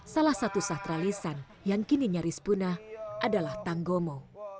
salah satu sastralisan yang kini nyaris punah adalah tanggomo